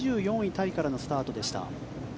タイからのスタートでした。